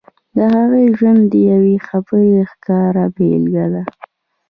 د هغې ژوند د يوې خبرې ښکاره بېلګه ده.